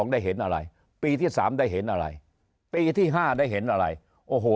ได้เห็นอะไรปีที่สามได้เห็นอะไรปีที่ห้าได้เห็นอะไรโอ้โห